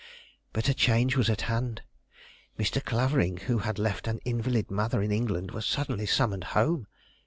But a change was at hand. Mr. Clavering, who had left an invalid mother in England, was suddenly summoned home.